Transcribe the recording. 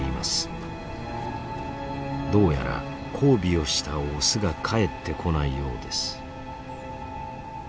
どうやら交尾をしたオスが帰ってこないようです。